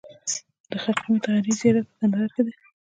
د خرقې مطهرې زیارت په کندهار کې دی